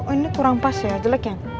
oh ini kurang pas ya jelek ya